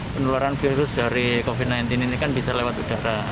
penularan virus dari covid sembilan belas ini kan bisa lewat udara